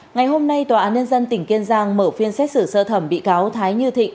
ngày hôm nay tòa án nhân dân tỉnh kiên giang mở phiên xét xử sơ thẩm bị cáo thái như thịnh